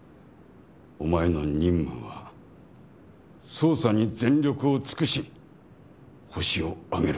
お前の任務は捜査に全力を尽くしホシを挙げる事だ。